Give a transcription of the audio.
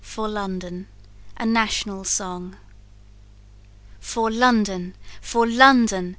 For London. A National Song. "For London! for London!